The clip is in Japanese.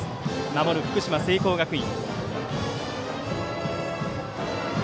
守る福島・聖光学院。